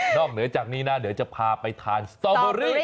เหนือจากนี้นะเดี๋ยวจะพาไปทานสตอเบอรี่